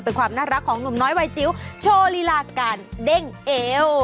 เป็นความน่ารักของหนุ่มน้อยวัยจิ๋วโชว์ลีลาการเด้งเอว